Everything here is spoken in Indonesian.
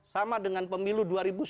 sama dengan pemilu dua ribu sembilan belas